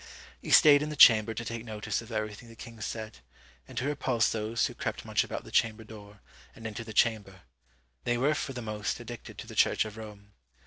"He stayed in the chamber to take notice of everything the king said, and to repulse those who crept much about the chamber door, and into the chamber; they were for the most addicted to the Church of Rome.